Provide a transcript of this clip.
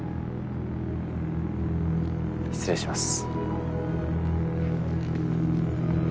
失礼します。